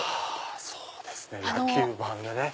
そうですね野球盤ね。